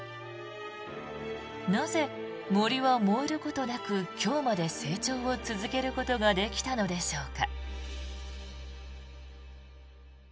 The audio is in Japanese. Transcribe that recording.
なぜ杜は燃えることなく今日まで成長を続けることができたのでしょうか。